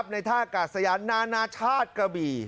ในท่ากาศยานนานาชาติกระบี่